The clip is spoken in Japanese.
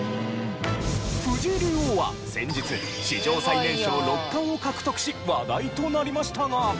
藤井竜王は先日史上最年少六冠を獲得し話題となりましたが。